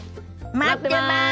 待ってます！